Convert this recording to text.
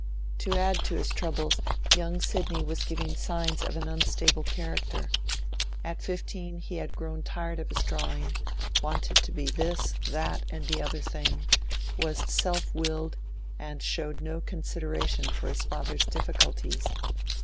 To add to his troubles, young Sidney was giving signs of an unstable character; at fifteen he had grown tired of his drawing, wanted to be this, that, and the other thing, was self willed, and showed no consideration for his father's difficulties.